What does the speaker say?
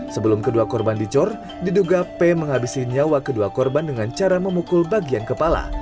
sebelum kedua korban dicor diduga p menghabisi nyawa kedua korban dengan cara memukul bagian kepala